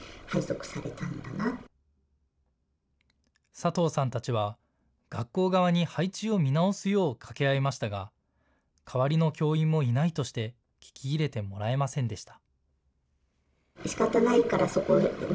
佐藤さんたちは学校側に配置を見直すよう掛け合いましたが代わりの教員もいないとして聞き入れてもらえませんでした。